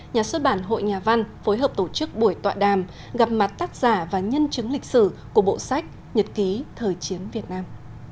nhà xuất bản hội nhà văn phối hợp tổ chức buổi tọa đàm gặp mặt tác giả và nhân chứng lịch sử của bộ sách nhật ký thời chiến việt nam